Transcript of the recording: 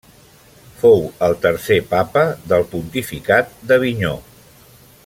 Fou el tercer Papa del pontificat d'Avinyó.